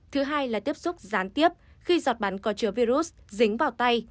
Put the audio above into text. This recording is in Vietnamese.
thứ hai là tiếp xúc gián tiếp khi giọt bắn có chứa virus dính vào tay